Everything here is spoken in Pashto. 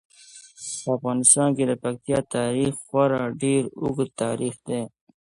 په افغانستان کې د پکتیکا تاریخ خورا ډیر اوږد تاریخ دی.